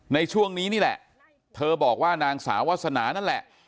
ในช่วงนี้นี่แหละเธอบอกว่านางสาววาสนานั่นแหละ